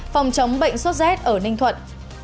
phòng chống bệnh xuất rét ở ninh thuận